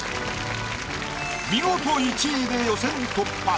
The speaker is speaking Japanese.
見事１位で予選突破。